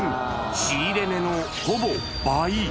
仕入れ値のほぼ倍。